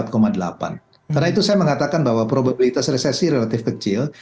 karena itu saya mengatakan bahwa probabilitas resesi relatif kecil